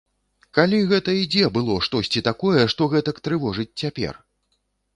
Калі гэта і дзе было штосьці такое, што гэтак трывожыць цяпер?